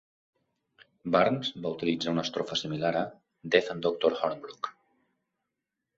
Burns va utilitzar una estrofa similar a "Death and Doctor Hornbrook".